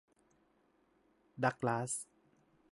ดักลาส